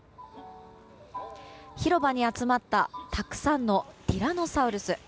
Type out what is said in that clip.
広場に集まったたくさんのティラノサウルス。